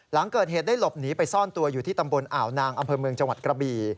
หลังเกิดเหตุได้หลบหนีไปซ่อนตัวอยู่ที่ตำบลอ่าวนางอำเภอเมืองจังหวัดกระบี่